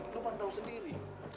lo mah tau sendiri